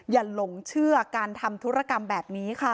หลงเชื่อการทำธุรกรรมแบบนี้ค่ะ